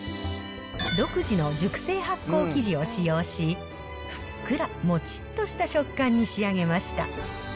独自の熟成発酵生地を使用し、ふっくら、もちっとした食感に仕上げました。